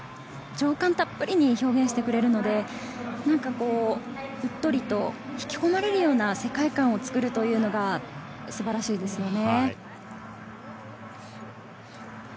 情感たっぷりに表現してくれるので、うっとりと引き込まれるような世界観をつくるというのが素晴らしいですね。